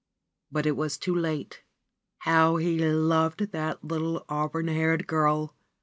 But it was too late ! How he loved that little auburn haired girl